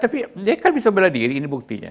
tapi dia kan bisa bela diri ini buktinya